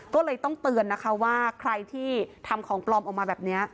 ก็เลยต้องเตือนนะคะว่าใครที่ทำของปลอมออกมาแบบนี้